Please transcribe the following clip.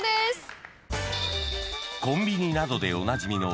［コンビニなどでおなじみの］